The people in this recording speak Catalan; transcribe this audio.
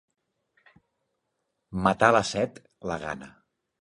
Matar la set, la gana.